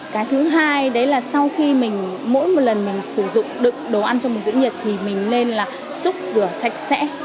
cái thứ hai đấy là sau khi mình mỗi một lần mình sử dụng đựng đồ ăn trong bình giữ nhiệt thì mình nên là xúc rửa sạch sẽ